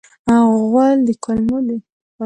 غول د کولمو د خوځښت پایله ده.